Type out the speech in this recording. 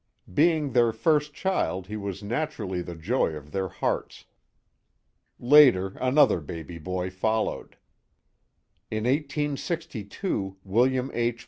Being their first child he was naturally the joy of their hearts. Later, another baby boy followed. In 1862 William H.